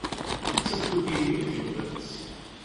Nettat tugi-iyi nek bɣiɣ-tt